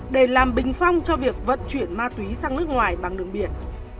để làm bình phong cho việc vận chuyển ma túy sang nước ngoài bằng đường biển